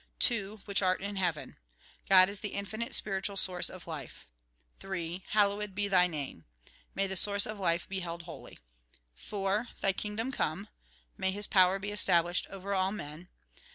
2. Which art in heaven, God is the infinite spiritual source of life. 3. Hallowed be Thy name, May the Source of Life be held holy. 4. Thy kingdom come. May His power be established over all men.